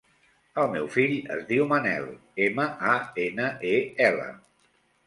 El meu fill es diu Manel: ema, a, ena, e, ela.